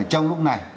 trong lúc này